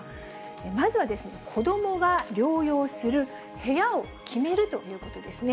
まずは、子どもが療養する部屋を決めるということですね。